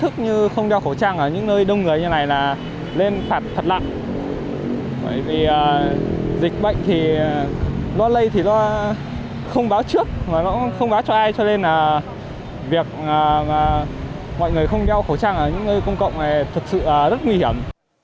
không báo trước không báo cho ai cho nên là việc mọi người không đeo khẩu trang ở những nơi công cộng này thật sự rất nguy hiểm